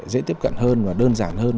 dễ tiếp cận hơn đơn giản hơn